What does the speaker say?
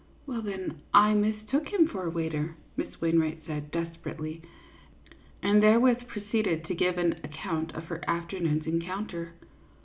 "Well, then, I mistook him for a waiter," Miss Wainwright said, desperately, and therewith pro ceeded to give an account of her afternoon's en counter.